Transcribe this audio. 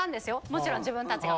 もちろん自分達が。